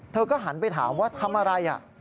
เธอก็หันไปถามว่าทำอะไร